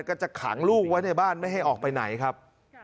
ก็จะขังลูกไว้ในบ้านไม่ให้ออกไปไหนครับ